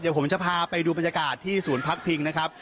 เดี๋ยวผมจะพาไปดูบรรยากาศที่ศูนย์พักพิงนะครับ